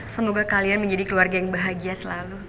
semoga kalian menjadi keluarga yang bahagia selalu